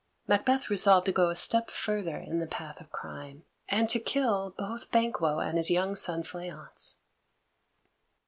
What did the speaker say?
Macbeth resolved to go a step further in the path of crime, and to kill both Banquo and his young son Fleance.